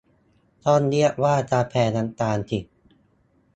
ต้องเรียกว่ากาแฟน้ำตาลสิ